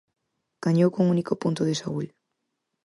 Gañou cun único punto de Saúl.